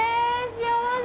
幸せ！